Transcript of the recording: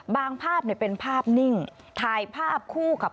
ภาพเป็นภาพนิ่งถ่ายภาพคู่กับ